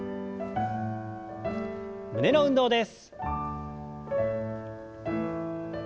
胸の運動です。